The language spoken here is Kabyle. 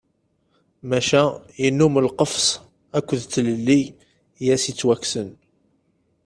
Maca yennum lqefs akked tlelli i as-yettwakksen.